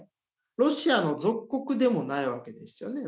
ロシアの属国でもないわけですよね。